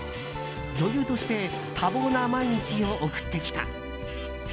女優として多忙な毎日を送ってきた。